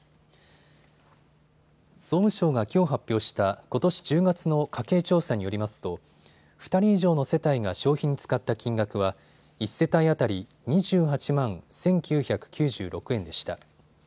総務省がきょう発表したことし１０月の家計調査によりますと２人以上の世帯が消費に使った金額は１世帯当たり２８万１９９６円でした。